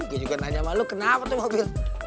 gue juga nanya sama lu kenapa tuh mobil